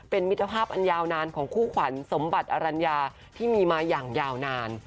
เป็นมิตรภาพอันยาวนานของคู่ขวัญสมบัติอรัญญาที่มีมาอย่างยาวนาน